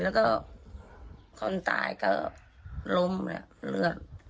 แล้วก็คนตายก็ลุ้มเนี่ยเลือด